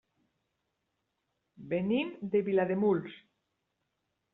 Venim de Vilademuls.